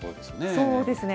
そうですね。